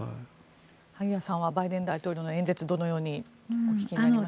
萩谷さんはバイデン大統領の演説どのようにお聞きになりましたか。